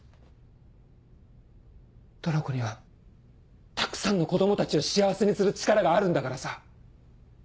トラコにはたくさんの子供たちを幸せにする力があるんだからさ。